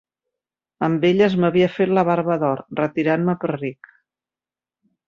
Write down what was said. Amb elles m'havia fet la barba d'or, retirant-me per ric.